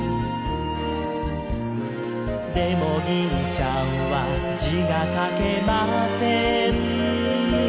「でも銀ちゃんは字が書けません」